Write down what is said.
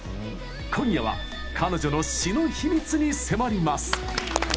今夜は彼女の詞の秘密に迫ります。